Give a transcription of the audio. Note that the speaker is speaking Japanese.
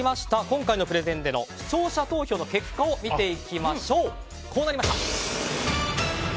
今回のプレゼンでの視聴者投票の結果を見ていきましょう。